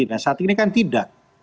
nah saat ini kan tidak